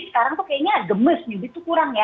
sekarang tuh kayaknya gemes nyubit tuh kurang ya